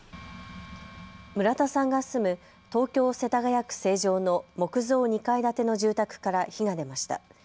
村田さんが住む東京世田谷区成城の木造２階建ての住宅から火が出ました。